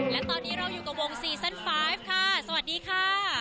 และตอนนี้เราอยู่กับวงซีซั่นไฟฟ์ค่ะสวัสดีค่ะ